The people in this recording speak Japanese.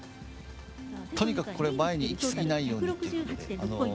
とにかく、これ前にいきすぎないようにっていうことで。